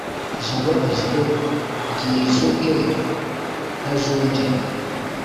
Jabo ijuru ryijuke ntajunje